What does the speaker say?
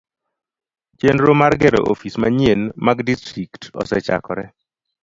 Chenro mar gero ofis manyien mag distrikt osechakore.